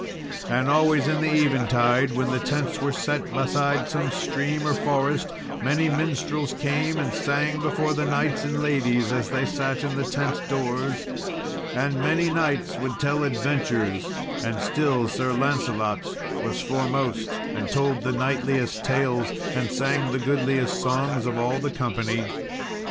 And always in the eventide, when the tents were set beside some stream or forest, many minstrels came and sang before the knights and ladies as they sat in the tent doors, and many knights would tell adventures; and still Sir Lancelot was foremost, and told the knightliest tales, and sang the goodliest songs, of all the company.